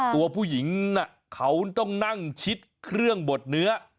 ตัวผู้หญิงเขาต้องนั่งชิดเครื่องบดเนื้อ